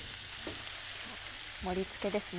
盛り付けですね。